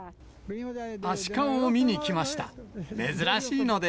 アシカを見に来ました。